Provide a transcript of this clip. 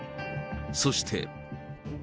そして。